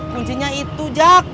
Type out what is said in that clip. kuncinya itu jak